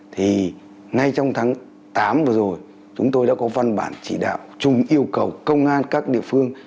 thì ngay trong tháng tám vừa rồi chúng tôi đã có văn bản chỉ đạo chung yêu cầu công an các địa phương